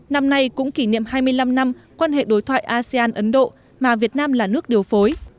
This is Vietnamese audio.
năm nay cũng kỷ niệm hai mươi năm năm quan hệ đối thoại asean ấn độ mà việt nam là nước điều phối